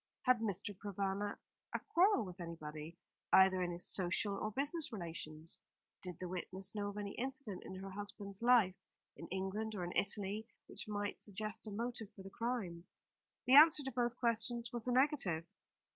Had Mr. Provana a quarrel with anybody, either in his social or business relations? Did the witness know of any incident in her husband's life in England or in Italy which might suggest a motive for the crime? The answer to both questions was a negative.